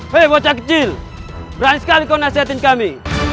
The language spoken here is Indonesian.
fee bocah kecil berani sekali kau nasihatin kami